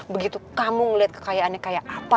begitu kamu ngeliat kekayaannya kayak apa